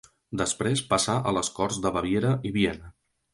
Després passà a les corts de Baviera i Viena.